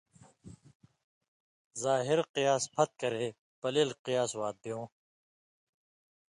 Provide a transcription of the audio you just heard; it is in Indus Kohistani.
ظاہر قیاس پھت کرے پلیل قیاس وات بیوں